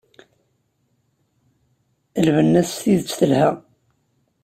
Lbenna-s d tidet telha!